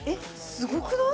すごくない？